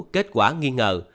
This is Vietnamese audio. kết quả nghi ngờ